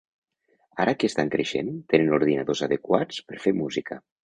Ara que estan creixent, tenen ordinadors adequats per fer música.